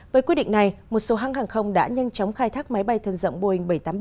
với quyết định này một số hãng hàng không đã nhanh chóng khai thác máy bay thân rộng boeing bảy trăm tám mươi bảy